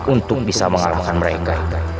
untuk bisa mengalahkan mereka